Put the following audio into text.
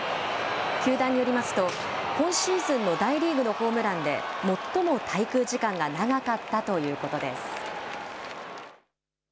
球団によりますと、今シーズンの大リーグのホームランで最も滞空時間が長かったということです。